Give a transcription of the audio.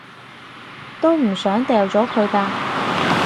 都唔想掉咗佢㗎